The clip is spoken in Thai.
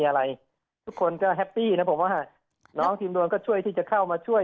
อะไรทุกคนก็แฮปปี้นะผมว่าน้องทีมดวนก็ช่วยที่จะเข้ามาช่วย